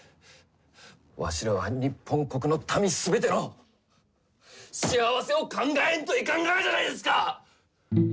わしらは、ニッポン国の民すべての幸せを考えんといかんがじゃないですか！